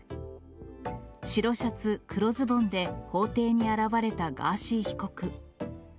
白シャツ、黒ズボンで法廷に現れたガーシー被告。